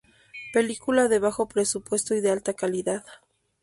Película de bajo presupuesto y de alta calidad.